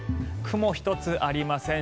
雲一つありません。